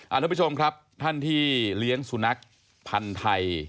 ทุกผู้ชมครับท่านที่เลี้ยงสุนัขพันธ์ไทย